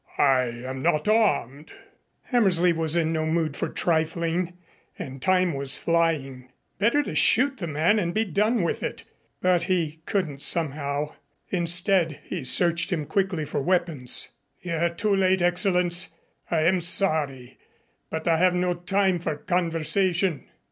I am not armed." Hammersley was in no mood for trifling and time was flying. Better to shoot the man and be done with it, but he couldn't, somehow. Instead he searched him quickly for weapons. "You're too late, Excellenz. I am sorry, but I have no time for conversation."